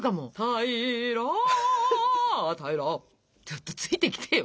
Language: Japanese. ちょっとついてきてよ。